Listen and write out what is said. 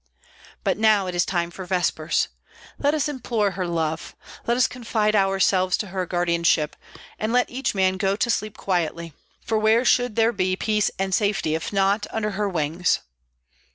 But now it is time for vespers. Let us implore Her love, let us confide ourselves to her guardianship, and let each man go to sleep quietly; for where should there be peace and safety, if not under Her wings?"